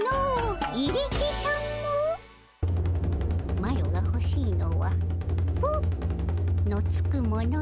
マロがほしいのは「ぷ」のつくものじゃ。